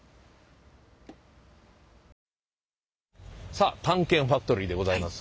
さあ「探検ファクトリー」でございます。